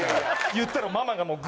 言ったらママがもう。